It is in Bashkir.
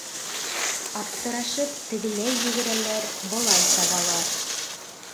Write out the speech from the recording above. Аптырашып тегеләй йүгерәләр, былай сабалар.